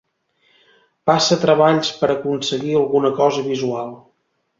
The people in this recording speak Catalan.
Passa treballs per a aconseguir alguna cosa visual.